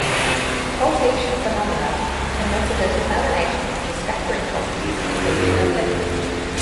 Occultation phenomena permitted a determination of the scattering properties of the lunar limb.